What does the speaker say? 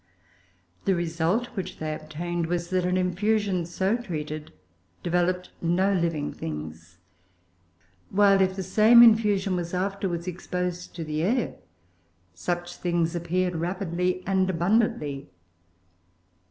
The result which they obtained was that an infusion so treated developed no living things, while, if the same infusion was afterwards exposed to the air, such things appeared rapidly and abundantly.